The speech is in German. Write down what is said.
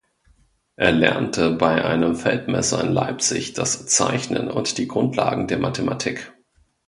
Er lernte bei einem Feldmesser in Leipzig das Zeichnen und die Grundlagen der Mathematik.